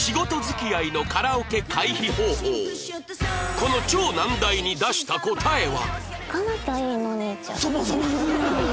この超難題に出した答えは